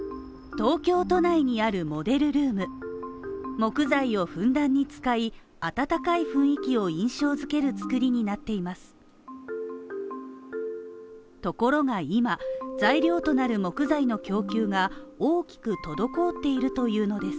東京都内にあるモデルルーム木材をふんだんに使い温かい雰囲気を印象づける作りになっています